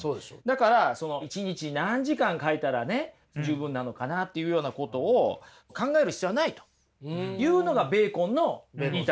だから一日何時間描いたら十分なのかな？っていうようなことを考える必要はないというのがベーコンの言いたいことなんですね。